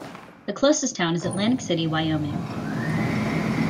The closest town is Atlantic City, Wyoming.